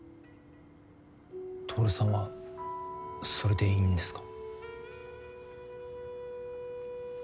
亨さんはそれでいいんですか？